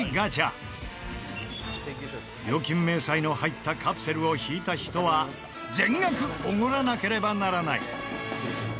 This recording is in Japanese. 料金明細の入ったカプセルを引いた人は全額オゴらなければならない。